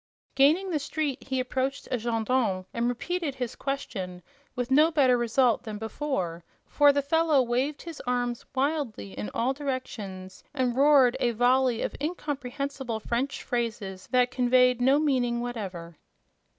Gaining the street he approached a gendarme and repeated his question, with no better result than before, for the fellow waved his arms wildly in all directions and roared a volley of incomprehensible French phrases that conveyed no meaning whatever.